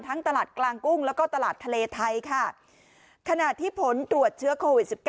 ตลาดกลางกุ้งแล้วก็ตลาดทะเลไทยค่ะขณะที่ผลตรวจเชื้อโควิด๑๙